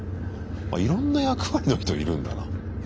いろんな役割の人いるんだな。